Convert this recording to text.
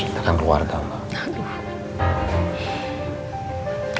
kita akan keluar dah mbak